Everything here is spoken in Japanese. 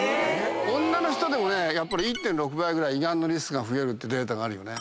女の人でも１．６倍ぐらい胃がんのリスクが増えるっていうデータがあるよね。